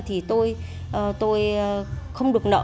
thì tôi không được nợ